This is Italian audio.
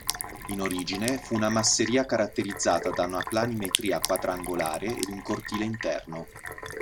In origine, fu una masseria caratterizzata da una planimetria quadrangolare ed un cortile interno.